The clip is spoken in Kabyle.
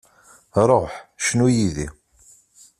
Ruḥ, cnu yid-i.